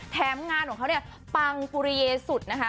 แถมงานของเขาเนี่ยปังปุริเยสุดนะคะ